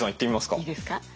いいですか。